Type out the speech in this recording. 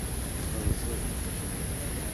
Rẓiɣ-t.